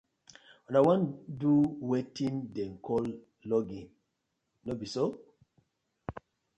Una wan to do weten dem call logging, no bi so?